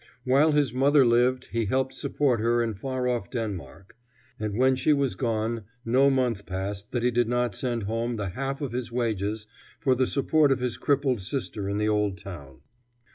While his mother lived he helped support her in far off Denmark; and when she was gone, no month passed that he did not send home the half of his wages for the support of his crippled sister in the old town.